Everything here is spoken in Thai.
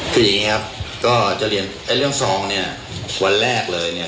คืออย่างนี้ครับก็จะเรียนเรื่องซองเนี่ยวันแรกเลยเนี่ย